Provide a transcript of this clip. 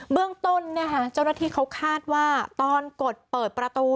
เรื่องต้นเจ้าหน้าที่เขาคาดว่าตอนกดเปิดประตู